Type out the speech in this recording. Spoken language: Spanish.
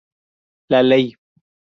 La Ley.